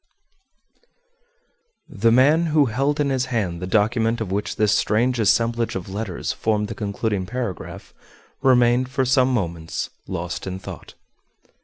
_ The man who held in his hand the document of which this strange assemblage of letters formed the concluding paragraph remained for some moments lost in thought.